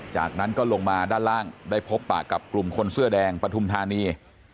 จากนั้นก็ลงมาด้านล่างได้พบปากกับกลุ่มคนเสื้อแดงปฐุมธานี